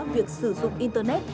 việc sử dụng internet